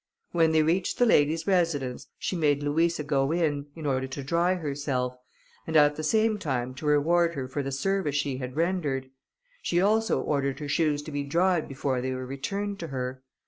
When they reached the lady's residence, she made Louisa go in, in order to dry herself, and at the same time to reward her for the service she had rendered her. She also ordered her shoes to be dried before they were returned to her.